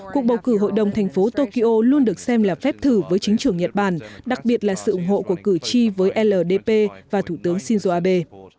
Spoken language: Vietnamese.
cuộc bầu cử hội đồng thành phố tokyo luôn được xem là phép thử với chính trường nhật bản đặc biệt là sự ủng hộ của cử tri với ldp và thủ tướng shinzo abe